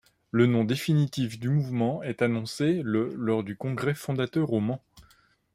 Le nom définitif du mouvement est annoncé le lors du congrès fondateur au Mans.